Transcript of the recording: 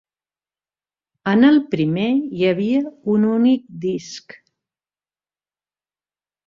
En el primer hi havia un únic disc.